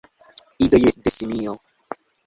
Idoj de simio!